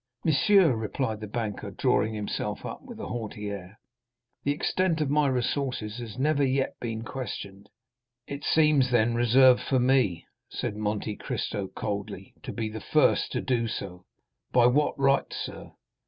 "Monsieur," replied the banker, drawing himself up with a haughty air, "the extent of my resources has never yet been questioned." "It seems, then, reserved for me," said Monte Cristo coldly, "to be the first to do so." "By what right, sir?"